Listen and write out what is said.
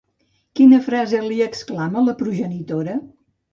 Quina frase li exclama la progenitora?